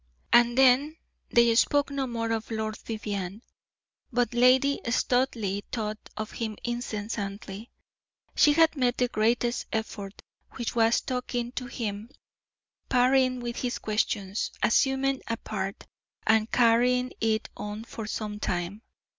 And then they spoke no more of Lord Vivianne, but Lady Studleigh thought of him incessantly. She had made the greatest effort, which was talking to him, parrying his questions, assuming a part, and carrying it on for some time.